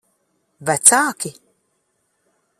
Vecāki?